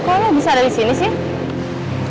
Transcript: kok lu bisa ada disini sih